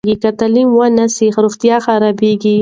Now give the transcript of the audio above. که تعلیم ونه سي، روغتیا خرابېږي.